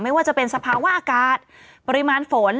ไม่ว่าจะเป็นสภาวะอากาศปริมาณฝน